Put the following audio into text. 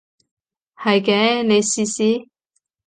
係嘅，你試試